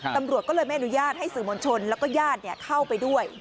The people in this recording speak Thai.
ตำรวจก็เลยไม่อนุญาตให้สื่อมวลชนแล้วก็ญาติเข้าไปด้วย